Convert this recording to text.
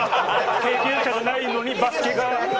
経験者じゃないのにバスケが。